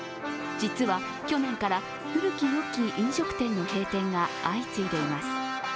実は去年から古き良き飲食店の閉店が相次いでいます。